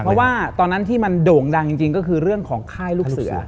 เพราะว่าตอนนั้นที่มันโด่งดังจริงก็คือเรื่องของค่ายลูกเสือ